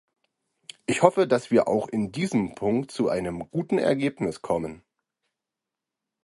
Ich hoffe, dass wir auch in diesem Punkt zu einem guten Ergebnis kommen.